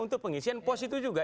untuk pengisian pos itu juga